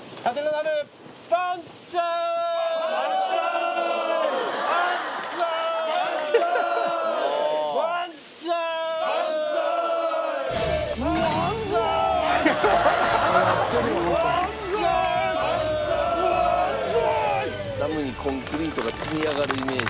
ダムにコンクリートが積み上がるイメージで。